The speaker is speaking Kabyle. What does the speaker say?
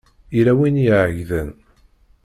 Yella win i iɛeyyḍen.